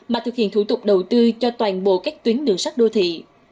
mà thực hiện thủ tục đầu tư cho toàn bộ các tuyến đường sắt đô thị